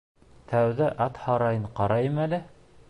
Тәүҙә ат һарайын ҡарайым әле.